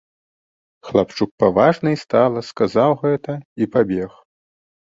Хлапчук паважна і стала сказаў гэта і пабег.